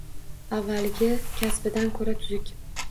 Avvalgi kasbidan ko'ra tuzuk